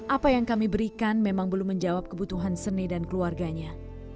apa yang kami berikan memang belum menjawab kebutuhan sene dan keluarganya